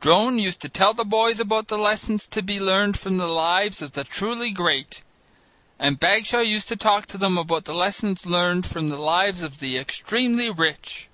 Drone used to tell the boys about the lessons to be learned from the lives of the truly great, and Bagshaw used to talk to them about the lessons learned from the lives of the extremely rich.